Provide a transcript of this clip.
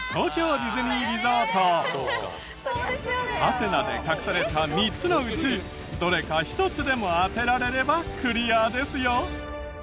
ハテナで隠された３つのうちどれか１つでも当てられればクリアですよ。